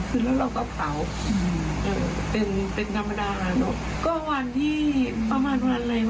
แล้วก็บอกนี้เราก็เห็นแบบเราก็สงสารเขาแล้ว